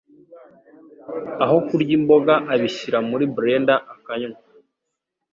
Aho kurya imboga, abishyira muri blender akanywa.